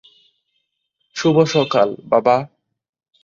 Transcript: শুভ সকাল, বাবা।